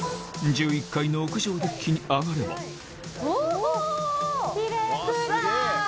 １１階の屋上デッキに上がればうおっほ！